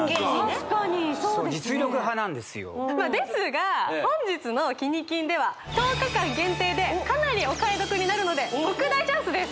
確かにそうですね実力派なんですよですが本日のキニ金では１０日間限定でかなりお買い得になるので特大チャンスです！